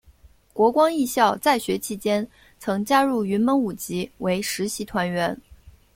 国光艺校在学期间曾加入云门舞集为实习团员。